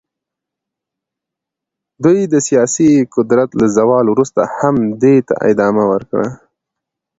دوی د سیاسي قدرت له زوال وروسته هم دې ته ادامه ورکړه.